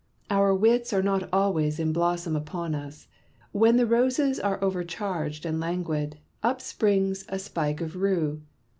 Our wits are not always in blossom upon us. When the roses are over charged and languid, up springs a spike of rue.